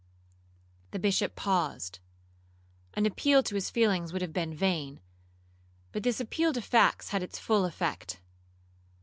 The Bishop paused. An appeal to his feelings would have been vain, but this appeal to facts had its full effect.